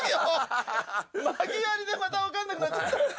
まき割りでまたわかんなくなっちゃった。